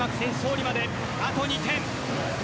利まであと２点。